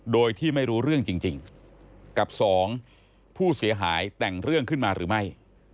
โดยที่ไม่รู้เรื่องจริงกับสองผู้เสียหายแต่งเรื่องขึ้นมาหรือไม่